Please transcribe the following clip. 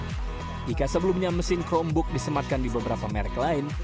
jika sebelumnya mesin chromebook disematkan di beberapa merek lain